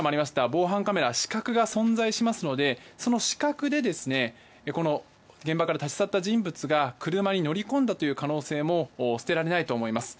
防犯カメラは死角が存在しますのでその死角で現場から立ち去った人物が車に乗り込んだ可能性も捨てられないと思います。